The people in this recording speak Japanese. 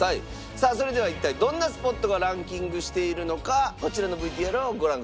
さあそれでは一体どんなスポットがランキングしているのかこちらのＶＴＲをご覧ください。